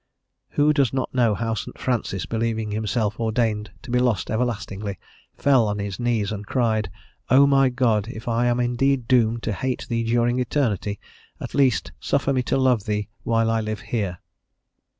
Who does not know how St. Francis, believing himself ordained to be lost everlastingly, fell on his knees and cried, "O my God, if I am indeed doomed to hate thee during eternity, at least suffer me to love thee while I live here."